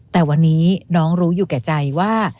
แต่วันนี้น้องรู้อยู่แก่ใจว่า